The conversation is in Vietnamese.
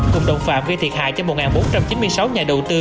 cùng đồng phạm gây thiệt hại cho một bốn trăm chín mươi sáu nhà đầu tư